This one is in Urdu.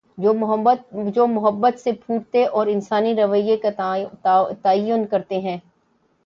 جومحبت سے پھوٹتے اور انسانی رویے کا تعین کر تے ہیں۔